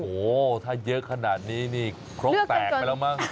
โอ้โหถ้าเยอะขนาดนี้นี่ครกแตกไปแล้วมั้ง